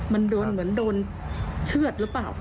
มันโดนเหมือนโดนเชื่อดหรือเปล่า